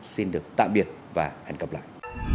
xin được tạm biệt và hẹn gặp lại